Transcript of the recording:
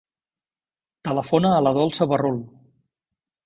Telefona a la Dolça Barrul.